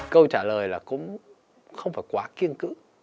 câu trả lời là cũng không phải quá kiên cữ